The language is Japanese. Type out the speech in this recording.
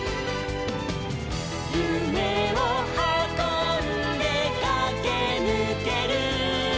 「ゆめをはこんでかけぬける」